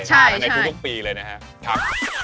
ใช่ในทุกปีเลยนะครับ